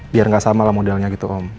biar gak samalah modelnya gitu om